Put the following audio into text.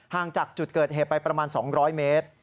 ห่างจากจุดเกิดเหตุไปประมาณสองร้อยเมตร